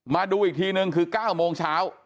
มาดูอีกทีนึงคือ๙โมงเช้า